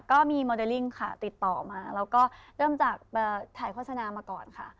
ก็มีโมเดลลิงค่ะติดต่อมาเริ่มจากถ่ายโฆษณามาก่อนค่ะ